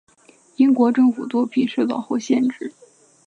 英国政府作品受到或限制。